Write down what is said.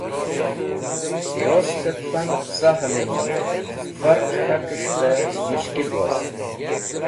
Rostet Fun Qasahe Mulung Farq K`hakes̃h be Mushkil wost.